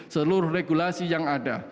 seluruh regulasi yang ada